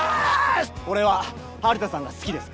俺は春田さんが好きです。